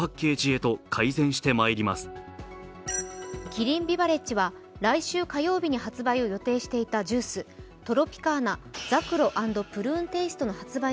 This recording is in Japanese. キリンビバレッジは来週火曜日に発売を予定していたジューストロピカーナざくろ＆プルーンテイストの発売